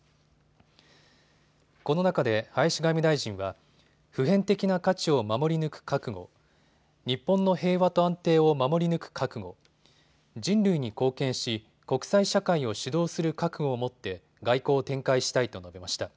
この中で林外務大臣は普遍的な価値を守り抜く覚悟、日本の平和と安定を守り抜く覚悟、人類に貢献し国際社会を主導する覚悟を持って外交を展開したいと述べました。